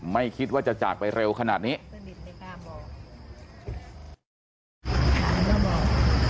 ไม่คิดว่าจะจากไปเร็วขนาดนี้